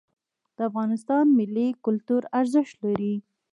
د افغانستان ملي کلتور ارزښت لري.